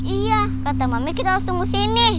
iya kata mami kita harus tunggu di sini